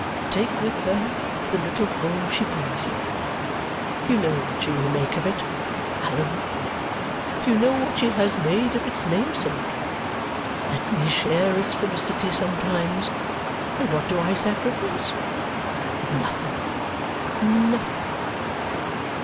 Take with her the little home she brings you. You know what she will make it, Allan; you know what she has made its namesake. Let me share its felicity sometimes, and what do I sacrifice? Nothing, nothing."